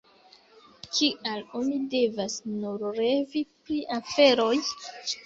Kial oni devas nur revi pri aferoj?